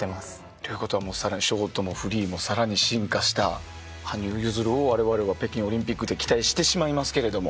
ということはショートもフリーもさらに進化した羽生結弦をわれわれは北京オリンピックで期待してしまいますけれども。